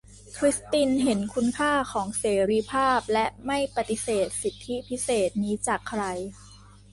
คริสตินเห็นคุณค่าของเสรีภาพ และไม่ปฎิเสธสิทธิพิเศษนี้จากใคร